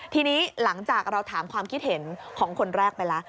ทีนี้หลังจากเราถามความคิดเห็นของคนแรกไปแล้ว